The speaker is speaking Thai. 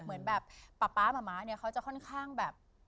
เหมือนแบบป๊ามะมะเนี่ยเขาจะค่อนข้างแบบ